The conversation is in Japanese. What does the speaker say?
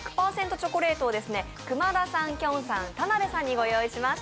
チョコレートを久間田さん、きょんさん、田辺さんにご用意しました。